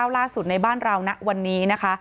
ล่าสุดในบ้านเราณวันนี้นะคะ